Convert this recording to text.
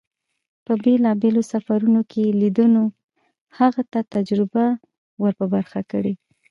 په بېلابېلو سفرون کې لیدنو هغه ته تجربه ور په برخه کړه.